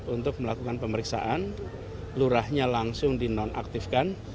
untuk melakukan pemeriksaan lurahnya langsung dinonaktifkan